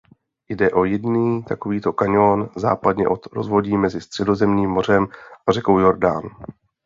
Jde o jediný takovýto kaňon západně od rozvodí mezi Středozemním mořem a řekou Jordán.